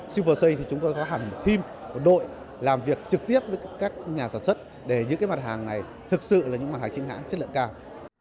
super sale thì chúng tôi có hẳn thêm một đội làm việc trực tiếp với các nhà sản xuất để những cái mặt hàng này thực sự là những mặt hàng chính hãng chất lượng cao